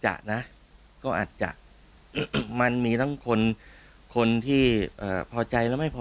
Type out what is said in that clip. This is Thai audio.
นะก็อาจจะมันมีทั้งคนคนที่พอใจแล้วไม่พอ